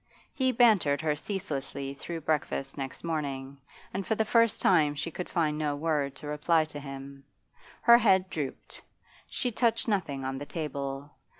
He bantered her ceaselessly through breakfast next morning, and for the first time she could find no word to reply to him. Her head drooped; she touched nothing on the table.